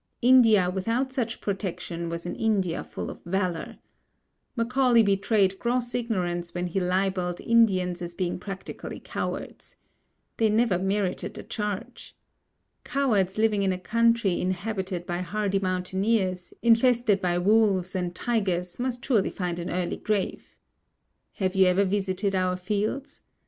India without such protection was an India full of valour. Macaulay betrayed gross ignorance when he libelled Indians as being practically cowards. They never merited the charge. Cowards living in a country inhabited by hardy mountaineers, infested by wolves and tigers must surely find an early grave. Have you ever visited our fields?